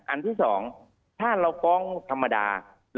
อันที่๒ถ้าที่เราฟ้องธรรมดา๒๘๘